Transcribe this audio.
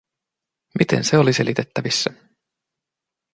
Miten se oli selitettävissä?